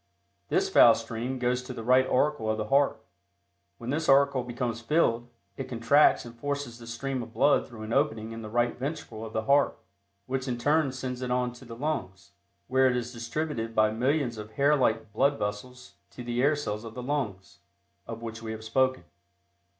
This foul stream goes to the right auricle of the heart. When this auricle becomes filled, it contracts and forces the stream of blood through an opening in the right ventricle of the heart, which in turn sends it on to the lungs, where it is distributed by millions of hair like blood vessels to the air cells of the lungs, of which we have spoken.